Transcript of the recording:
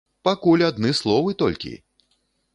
Пакуль адны словы толькі!